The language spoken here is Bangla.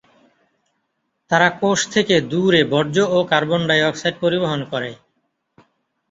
তারা কোষ থেকে দূরে বর্জ্য ও কার্বন ডাই অক্সাইড পরিবহন করে।